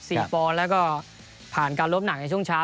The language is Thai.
ปอนด์แล้วก็ผ่านการล้มหนักในช่วงเช้า